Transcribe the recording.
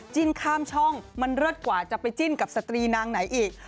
ข้ามช่องมันเลิศกว่าจะไปจิ้นกับสตรีนางไหนอีก